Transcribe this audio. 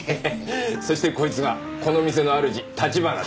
そしてこいつがこの店のあるじ橘だ。